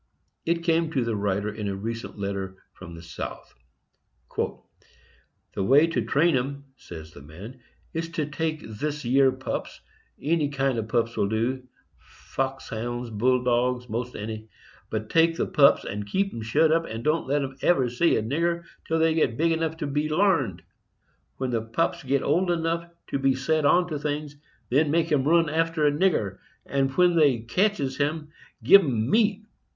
It came to the writer in a recent letter from the South. The way to train 'em (says the man) is to take these yer pups,—any kind o' pups will do,—fox hounds, bull dogs, most any;—but take the pups, and keep 'em shut up and don't let 'em never see a nigger till they get big enough to be larned. When the pups gits old enough to be set on to things, then make 'em run after a nigger; and when they cotches him, give 'em meat.